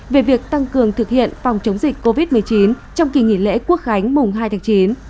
về việc tăng cường thực hiện phòng chống dịch covid một mươi chín trong kỳ nghỉ lễ quốc khánh mùng hai tháng chín